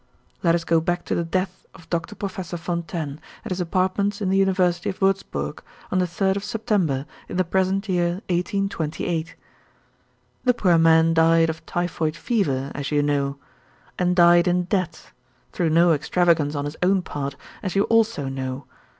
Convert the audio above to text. "Let us go back to the death of Doctor Professor Fontaine, at his apartments in the University of Wurzburg, on the 3rd of September, in the present year 1828. "The poor man died of typhoid fever, as you know and died in debt, through no extravagance on his own part, as you also know.